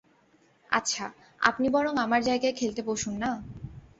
আচ্ছা, আপনি বরং আমার জায়গায় খেলতে বসুন না?